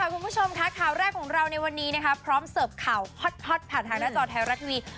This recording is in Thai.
คุณผู้ชมค่ะข่าวแรกของเราในวันนี้พร้อมเสิร์ฟข่าวฮอตผ่านทางหน้าจอไทยรัฐทีวี